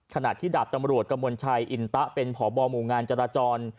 ขณะที่ดาบตำรวจกระมวลชัยอินตะเป็นพบหมู่งานจราจร